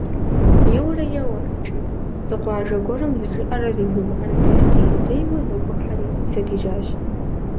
Еуэрэ-еуэрэт, жи, зы къуажэ гуэрым зы Жыӏэрэ зы Жумыӏэрэ дэсти, дзейуэ зэгухьэри, зэдежьащ.